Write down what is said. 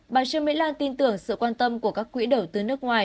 bà trương mỹ lan tin tưởng sự quan tâm của các quỹ đầu tư nước ngoài